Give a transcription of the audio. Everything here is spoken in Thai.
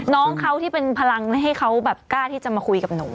น้องเขาที่เป็นพลังให้เขาแบบกล้าที่จะมาคุยกับหนู